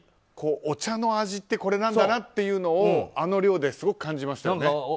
お茶の味ってこれなんだなっていうのをあの量ですごく感じました。